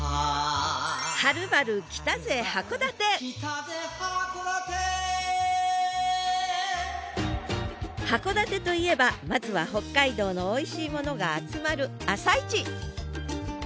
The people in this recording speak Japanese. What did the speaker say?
はるばる来たぜ函館函館といえばまずは北海道のおいしいものが集まる朝市！